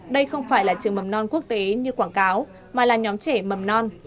đây không phải là trường mầm non quốc tế như quảng cáo mà là nhóm trẻ mầm non